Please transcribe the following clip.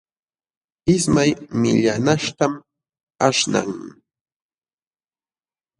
Ismay millanaśhtam aśhnan.